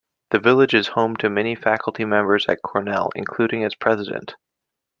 The village is home to many faculty members at Cornell, including its president.